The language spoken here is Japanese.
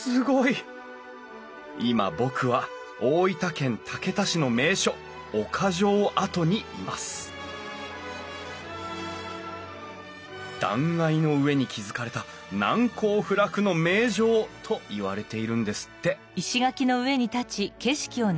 今僕は大分県竹田市の名所岡城跡にいます断崖の上に築かれた「難攻不落の名城」といわれているんですって